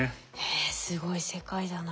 えすごい世界だな。